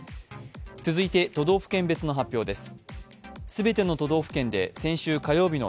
続いて都道府県別の発表です。